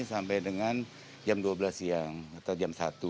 sampai dengan jam dua belas siang atau jam satu